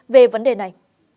về vấn đề này